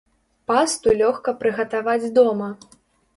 Пасту лёгка прыгатаваць дома.